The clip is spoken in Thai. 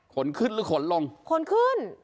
ขนขึ้นหรือขนลงขนขึ้น